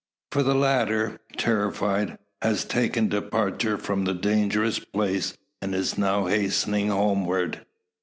For the latter, terrified, has taken departure from the dangerous place, and is now hastening homeward.